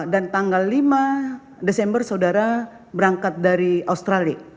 tanggal lima desember saudara berangkat dari australia